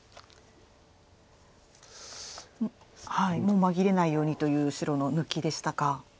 もう紛れないようにという白の抜きでしたか。